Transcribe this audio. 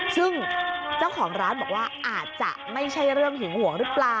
ซึ่งเจ้าของร้านบอกว่าอาจจะไม่ใช่เรื่องหึงห่วงหรือเปล่า